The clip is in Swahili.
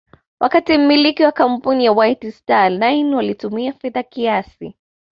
wakati mmiliki wa kampuni ya White Star Line walitumia fedha kiasi